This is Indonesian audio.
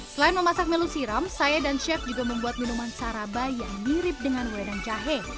selain memasak melu siram saya dan chef juga membuat minuman saraba yang mirip dengan kue dan jahe